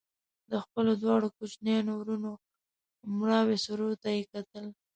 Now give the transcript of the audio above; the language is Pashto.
د خپلو دواړو کوچنيانو وروڼو مړاوو څېرو ته يې کتل